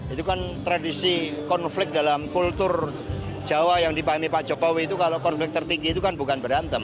itu kan tradisi konflik dalam kultur jawa yang dipahami pak jokowi itu kalau konflik tertinggi itu kan bukan berantem